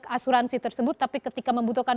ke asuransi tersebut tapi ketika membutuhkan